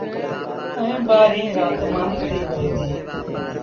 ائيٚݩ ٻآهريٚݩ رآت مآݩيٚ ڪئيٚ وهي ديٚ